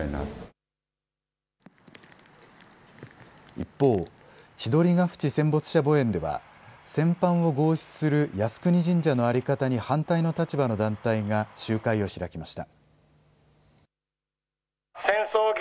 一方、千鳥ヶ淵戦没者墓苑では戦犯を合祀する靖国神社の在り方に反対の立場の団体が集会を開きました。